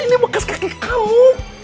ini bekas kakek kamu